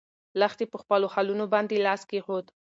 لښتې په خپلو خالونو باندې لاس کېښود.